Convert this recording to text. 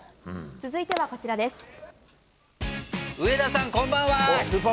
続いては、こちらです。